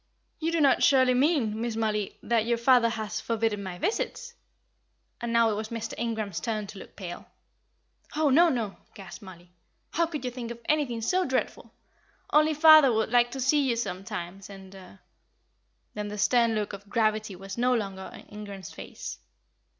"You do not surely mean, Miss Mollie, that your father has forbidden my visits?" And now it was Mr. Ingram's turn to look pale. "Oh, no, no!" gasped Mollie, "how could you think of anything so dreadful? Only father would like to see you sometimes and " Then the stern look of gravity was no longer on Ingram's face.